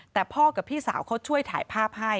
แต่พ่อกับพี่สาวเขาช่วยถ่ายภาพให้